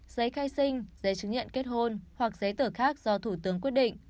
giấy khai sinh giấy chứng nhận kết hôn hoặc giấy tờ khác do thủ tướng quyết định